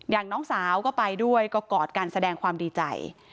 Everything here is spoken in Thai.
น้องสาวก็ไปด้วยก็กอดกันแสดงความดีใจ